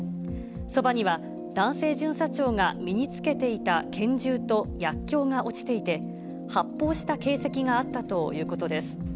そばには男性巡査長が身につけていた拳銃と薬きょうが落ちていて、発泡した形跡があったということです。